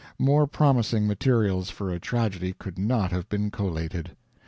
More promising materials for a tragedy could not have been collated.